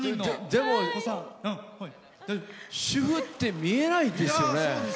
でも主婦って見えないですよね。